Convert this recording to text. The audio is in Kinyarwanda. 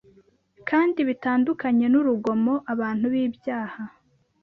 Kandi bitandukanye n'urugomo abantu b'ibyaha